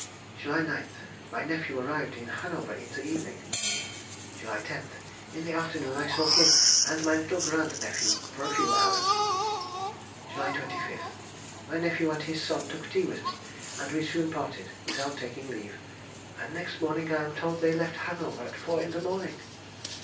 July 9th.—My nephew arrived in Hanover in the evening. July 10th.—In the afternoon I saw him and my little grand nephew for a few hours. July 25th.—My nephew and his son took tea with me, and we soon parted, without taking leave, and next morning I am told they left Hanover at four in the morning.